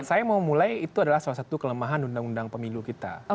saya mau mulai itu adalah salah satu kelemahan undang undang pemilu kita